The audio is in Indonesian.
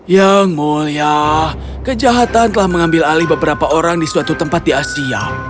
yang mulia kejahatan telah mengambil alih beberapa orang di suatu tempat di asia